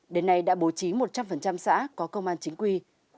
đến nay đã bố trí một trăm linh xã có công an chính quy